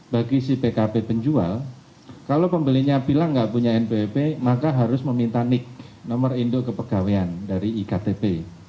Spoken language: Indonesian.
bagi si pkb penjual kalau pembelinya bilang nggak punya npwp maka harus meminta nik nomor induk kepegawaian dari iktp